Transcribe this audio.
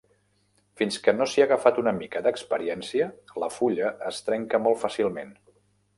Fins que no s'hi ha agafat una mica d'experiència la fulla es trenca molt fàcilment.